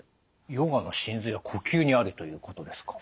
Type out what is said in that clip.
ヨガの神髄は呼吸にありということですか。